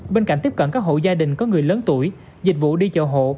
bên cạnh tiếp cận các hộ gia đình có người lớn tuổi dịch vụ đi chợ hộ